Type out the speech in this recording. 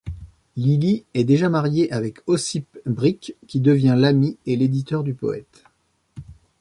Lili est déjà mariée avec Ossip Brik qui devient l'ami et l'éditeur du poète.